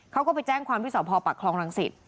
เขาก็ไปแจ้งความพิสอบภอปรักษ์คลองรังศิษฐ์